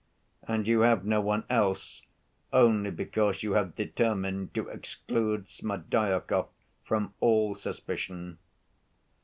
And you have no one else only because you have determined to exclude Smerdyakov from all suspicion.